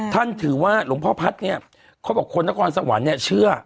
ท่านถือว่าหลวงพ่อพัฒน์เนี่ยเขาบอกคนนครสวรรค์เนี่ยเชื่อ